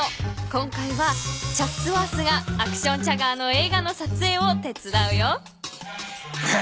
今回はチャッツワースがアクションチャガーのえいがのさつえいをてつだうよ。え！